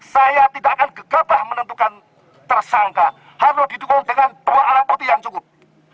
saya tidak akan gegabah menentukan tersangka harus didukung dengan dua alat bukti yang cukup